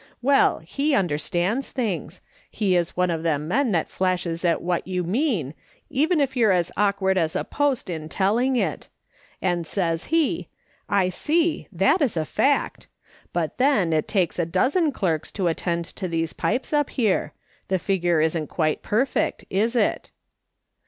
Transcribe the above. Well, he understands things — he is one of them men that flashes at what you mean, even if you're as awkward as a post in telling it, and says he, ' I see. That is a fact. But then it *'YOU ARK RIGHT, t AM A RELA TWN." 50! takes a dozen clerks to attend to these pipes up here. The figure isn't quite perfect, is it